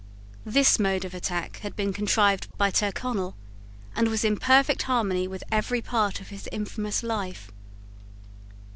This mode of attack had been contrived by Tyrconnel, and was in perfect harmony with every part of his infamous life.